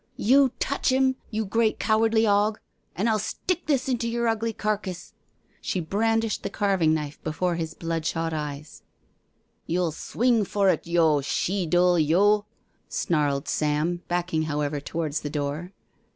" You touch 'im, you great cowardly hog, an' I'll stick this into yer ugly carcase." She brandished the carving knife before his bloodshot eyes. IN THE BLACK COUNTRY 13 " You'll swing for it^ yo* she dule yoV' snarled Sam, backing however towards the door.